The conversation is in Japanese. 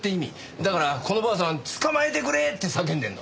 だからこのばあさんは「捕まえてくれ」って叫んでるの。